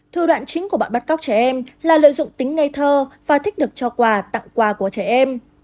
thủ đoạn chính của bọn bắt cóc trẻ em là lợi dụng tính ngây thơ và thích được cho quà tặng quà của trẻ em